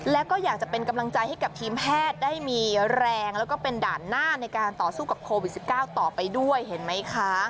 แล้วก็อยากจะเป็นกำลังใจให้กับทีมแพทย์ได้มีแรงแล้วก็เป็นด่านหน้าในการต่อสู้กับโควิด๑๙ต่อไปด้วยเห็นไหมคะ